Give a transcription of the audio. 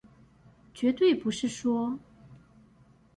絕對不是說